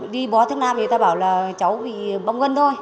đi bó thuốc nam người ta bảo là cháu bị bóng gân thôi